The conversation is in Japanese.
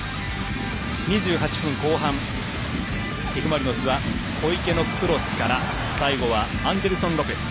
２８分後半、Ｆ・マリノスは小池のクロスから最後はアンデルソン・ロペス。